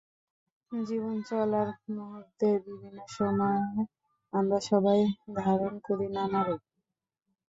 জীবন চলার মুহূর্তে বিভিন্ন সময়ে আমরা সবাই ধারণ করি নানা রূপ।